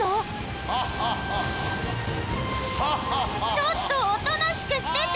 ちょっとおとなしくしてて！